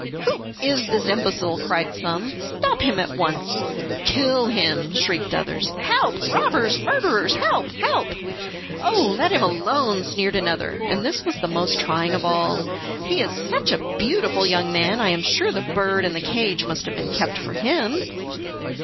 "Who is this imbecile?" cried some, "stop him at once." "Kill him," shrieked others, "Help! robbers! murderers! help! help!" "Oh, let him alone," sneered another, and this was the most trying of all, "he is such a beautiful young man; I am sure the bird and the cage must have been kept for him."